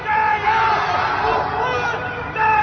อันดับ๔ค่า